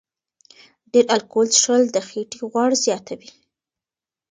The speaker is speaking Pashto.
ډېر الکول څښل د خېټې غوړ زیاتوي.